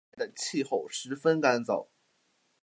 山脉的气候十分干燥。